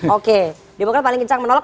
oke demokrat paling kencang menolak